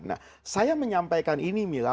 nah saya menyampaikan ini mila